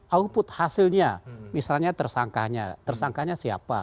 output hasilnya misalnya tersangkanya tersangkanya siapa